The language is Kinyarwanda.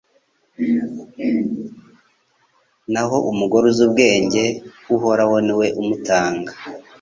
naho umugore uzi ubwenge Uhoraho ni we umutanga